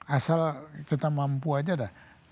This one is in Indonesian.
asal kita mampu aja dah